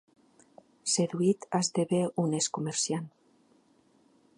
Seduït, esdevé honest comerciant.